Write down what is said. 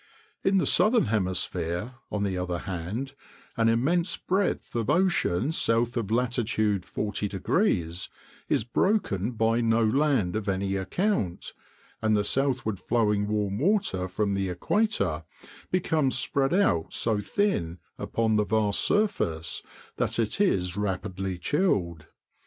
In the southern hemisphere, on the other hand, an immense breadth of ocean south of latitude 40° is broken by no land of any account, and the southward flowing warm water from the equator becomes spread out so thin upon the vast surface that it is rapidly chilled.